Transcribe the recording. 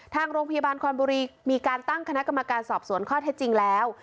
ทางโรงพยาบาลคอนบุรีมีการตั้งคณะกรรมการสอบสวนข้อเท็จจริงแล้ว